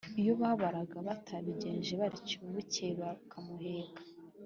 iyo babaga batabigenje batyo, bukeye bakamuheka